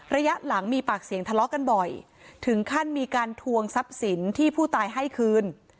ระยะหลังมีปากเสียงทะเลาะกันบ่อยถึงขั้นมีการทวงทรัพย์สินที่ผู้ตายให้คืน